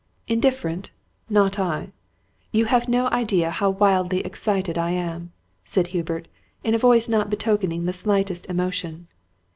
"Indifferent? Not I! You have no idea how wildly excited I am!" said Hubert, in a voice not betokening the slightest emotion.